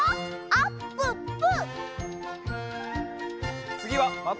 あっぷっぷ！